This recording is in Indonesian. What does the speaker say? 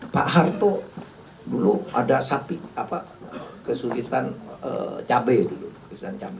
pak harto dulu ada kesulitan cabai dulu